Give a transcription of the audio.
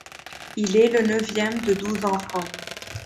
Il est le neuvième de douze enfants.